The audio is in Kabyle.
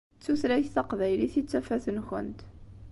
D tutlayt taqbaylit i d tafat-nkent.